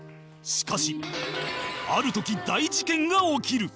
しかしある時大事件が起きる